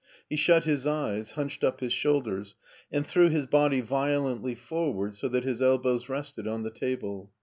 He shut his eyes, hunched up his shoulders, and threw his body violently forward so that his elbows rested on the table.